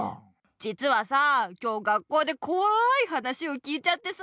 じつはさ今日学校でこわい話を聞いちゃってさ。